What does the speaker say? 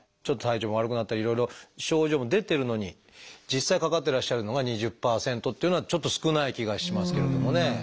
ちょっと体調が悪くなったりいろいろ症状も出てるのに実際かかってらっしゃるのが２０％っていうのはちょっと少ない気がしますけれどもね。